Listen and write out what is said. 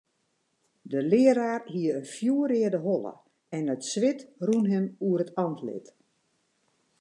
De learaar hie in fjoerreade holle en it swit rûn him oer it antlit.